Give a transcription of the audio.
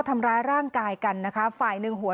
โทรให้หน่อยเร็ว